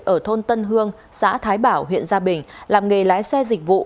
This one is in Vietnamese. ở thôn tân hương xã thái bảo huyện gia bình làm nghề lái xe dịch vụ